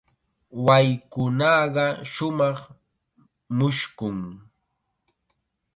Waykunaqa shumaq mushkun.